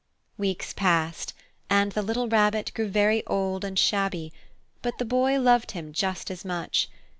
Weeks passed, and the little Rabbit grew very old and shabby, but the Boy loved him just as much.